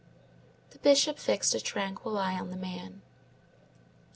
The Bishop fixed a tranquil eye on the man.